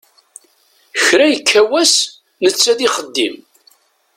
Kra yekka wass netta d ixeddim.